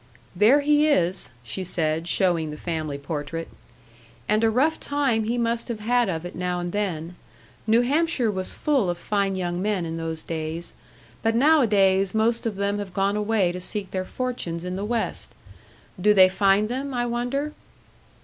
"There he is," she said, showing the family portrait. "And a rough time he must have had of it now and then. New Hampshire was full of fine young men in those days. But nowadays most of them have gone away to seek their fortunes in the West. Do they find them, I wonder?"